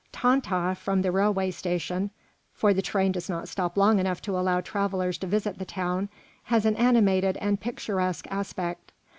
Tantah, from the railway station, for the train does not stop long enough to allow travellers to visit the town, has an animated and picturesque aspect.